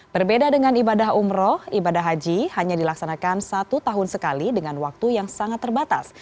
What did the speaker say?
berbeda dengan ibadah umroh ibadah haji hanya dilaksanakan satu tahun sekali dengan waktu yang sangat terbatas